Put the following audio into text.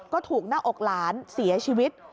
ก็ถูกหน้าอกหลานเสียชีวิต